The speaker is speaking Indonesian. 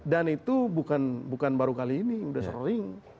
dan itu bukan baru kali ini sudah sering